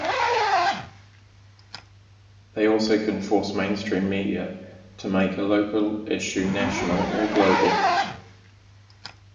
They also can force mainstream media to make a local issue national or global.